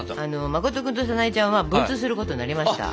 まこと君とさなえちゃんは文通することになりました。